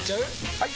・はい！